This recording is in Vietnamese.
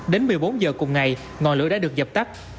đến một mươi bốn giờ cùng ngày ngọn lửa đã được dập tắt